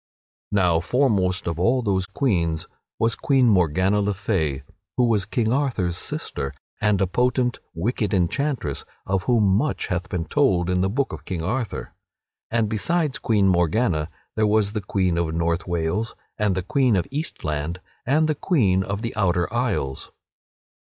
Now foremost of all those queens was Queen Morgana le Fay (who was King Arthur's sister, and a potent, wicked enchantress, of whom much hath been told in the Book of King Arthur), and besides Queen Morgana there was the Queen of North Wales, and the Queen of Eastland, and the Queen of the Outer Isles.